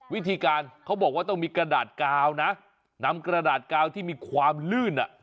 วิธีการเขาบอกว่าต้องมีกระดาษกาวนะนำกระดาษกาวที่มีความลื่นอ่ะ